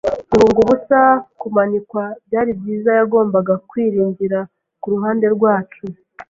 guhunga ubusa kumanikwa, byari byiza yagombaga kwiringira kuruhande rwacu.